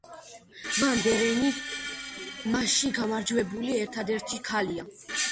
ვან დერენი მასში გამარჯვებული ერთადერთი ქალია.